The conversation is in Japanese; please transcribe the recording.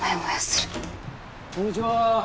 こんにちは。